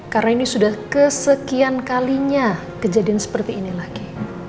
karena ini sudah kesekian kalinya kejadian seperti ini lagi